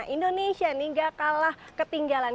indonesia tidak kalah ketinggalan